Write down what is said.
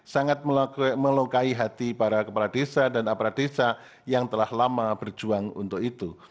sangat melukai hati para kepala desa dan aparat desa yang telah lama berjuang untuk itu